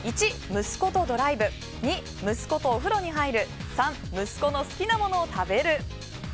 １、息子とドライブ２、息子とお風呂に入る３、息子の好きなものを食べる。